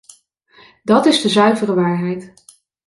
Dat is de zuivere waarheid.